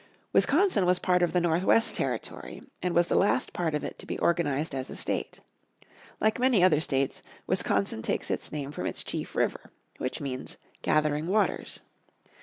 Wisconsin was part of the Northwest Territory and was the last part of it to be organised as a state. Like many other states Wisconsin takes its name from its chief river, which means "Gathering Waters."